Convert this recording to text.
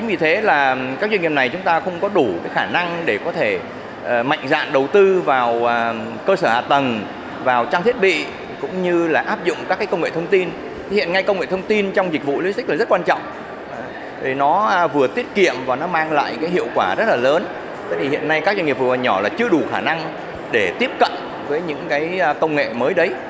hiện nay các doanh nghiệp vừa và nhỏ chưa đủ khả năng để tiếp cận với những công nghệ mới đấy